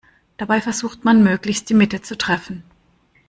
Dabei versucht man, möglichst die Mitte zu treffen.